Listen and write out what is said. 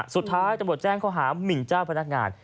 สุดท้ายตำรวจแจ้งข้อหามินเจ้าพนักงาน